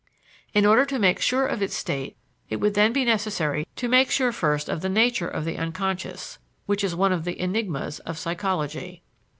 In order to make sure of its nature it would then be necessary to make sure first of the nature of the unconscious, which is one of the enigmas of psychology.